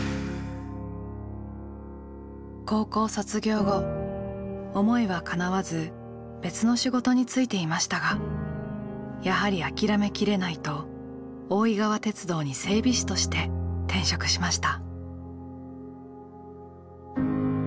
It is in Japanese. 高校卒業後思いはかなわず別の仕事に就いていましたがやはり諦めきれないと大井川鉄道に整備士として転職しました。